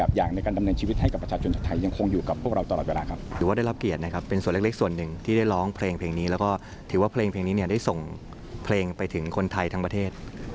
และถือว่าเพลงนี้ได้ส่งเพลงไปถึงคนไทยทั้งประเทศ